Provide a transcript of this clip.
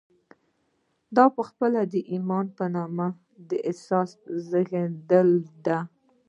دا پخپله د ايمان په نوم د احساس زېږنده ده.